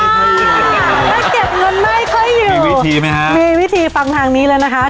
ถ้าเก็บเงินไม่ค่อยอยู่วิธีไหมฮะมีวิธีฟังทางนี้เลยนะคะ